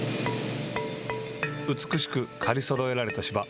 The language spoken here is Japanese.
美しく刈り揃えられた芝。